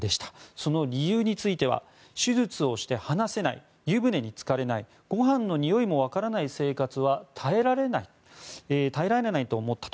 その理由については手術をして話せない湯船につかれないご飯のにおいもわからない生活は耐えられないと思ったと。